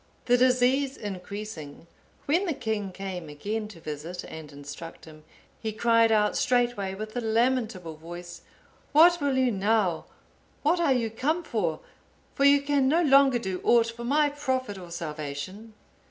The disease increasing, when the king came again to visit and instruct him, he cried out straightway with a lamentable voice, "What will you now? What are you come for? for you can no longer do aught for my profit or salvation."